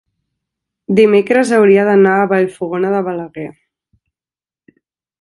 dimecres hauria d'anar a Vallfogona de Balaguer.